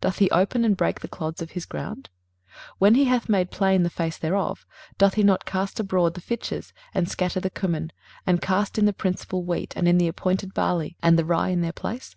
doth he open and break the clods of his ground? 23:028:025 When he hath made plain the face thereof, doth he not cast abroad the fitches, and scatter the cummin, and cast in the principal wheat and the appointed barley and the rie in their place?